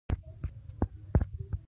استاد د کتاب مینه زړونو ته انتقالوي.